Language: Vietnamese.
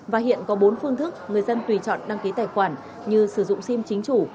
và hiện có bốn phương thức người dân tùy chọn đăng ký tài khoản như sử dụng sim chính chủ